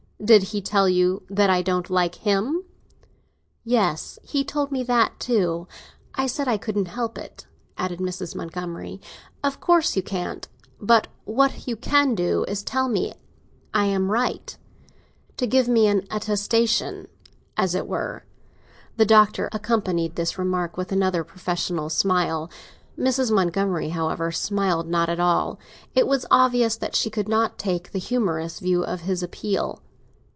"Did he tell you that I don't like him?" "Yes, he told me that too. I said I couldn't help it!" added Mrs. Montgomery. "Of course you can't. But what you can do is to tell me I am right—to give me an attestation, as it were." And the Doctor accompanied this remark with another professional smile. Mrs. Montgomery, however, smiled not at all; it was obvious that she could not take the humorous view of his appeal.